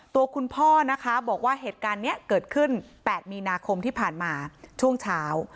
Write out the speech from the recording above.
ตัวคุณพ่อนะคะบอกว่าเหตุการณ์นี้เกิดขึ้น๘มีนาคมที่ผ่านมาช่วงเช้า